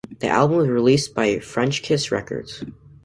The album was released by Frenchkiss Records.